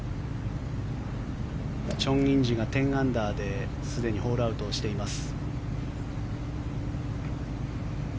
チョン・インジが１０アンダーですでにホールアウトしています。